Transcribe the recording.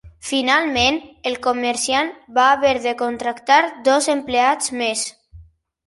Finalment, el comerciant va haver de contractar dos empleats més.